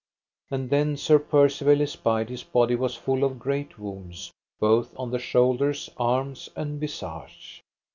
And then Sir Percivale espied his body was full of great wounds, both on the shoulders, arms, and visage.